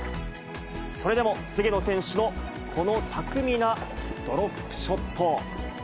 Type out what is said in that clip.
それでも菅野選手のこの巧みなドロップショット。